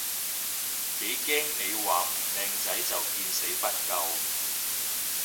幾驚你話唔靚仔就見死不救